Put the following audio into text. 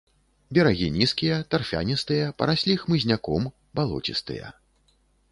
Берагі нізкія, тарфяністыя, параслі хмызняком, балоцістыя.